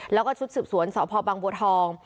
แล้วก็ชุดสืบสวนสพบังบัวทอง